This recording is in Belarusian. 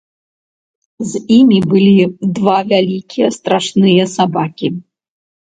З імі былі два вялікія страшныя сабакі.